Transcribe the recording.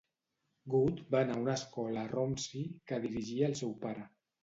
Good va anar a una escola a Romsey que dirigia el seu pare.